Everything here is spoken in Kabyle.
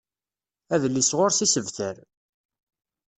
Adlis ɣur-s isebtar.